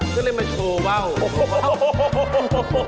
ก็เลยมาโชว์เว้าโอ้โฮโฮโฮโฮ